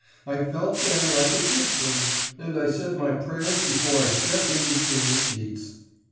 I felt then like a Christian, and I said my prayers before I stepped in between the sheets.